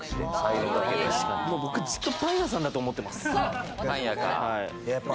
僕ずっとパン屋さんだと思ってます。